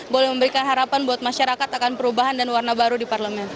boleh memberikan harapan buat masyarakat akan perubahan dan warna baru di parlemen